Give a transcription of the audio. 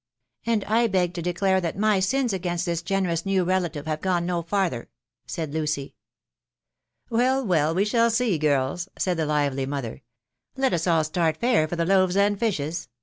" And I beg to declare that my sins again this gemimm new relative have gone no farther," said Lucy. " Well, well, we shall see, girls/' said the lively mother. " Let us all start fair for the loaves and fishes